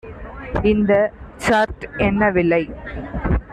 இந்த சர்ட் என்ன விலை?